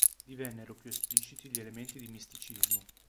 Divennero più espliciti gli elementi di misticismo.